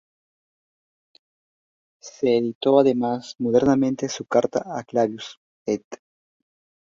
Se editó además modernamente su "Carta a Clavius", ed.